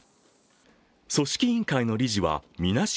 組織委員会の理事はみなし